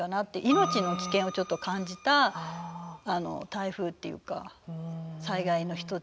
命の危険をちょっと感じた台風っていうか災害の一つですね。